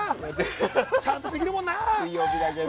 ちゃんとできるもんな。